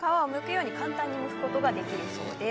にむくことができるそうです。